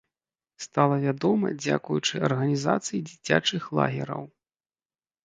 Стала вядома дзякуючы арганізацыі дзіцячых лагераў.